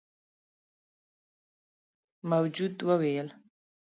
موجود وويل: